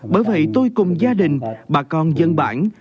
bởi vậy tôi cùng gia đình bà con dân bản